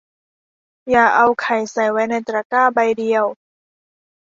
อย่าเอาไข่ใส่ไว้ในตะกร้าใบเดียว